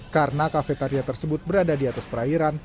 karena kafetaria tersebut berada di atas perairan